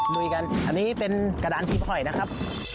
ลุยกันอันนี้เป็นกระดานพริกห่อยนะครับ